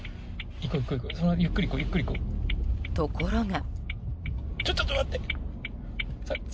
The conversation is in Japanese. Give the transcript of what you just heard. ところが。